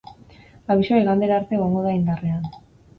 Abisua igandera arte egongo da indarrean.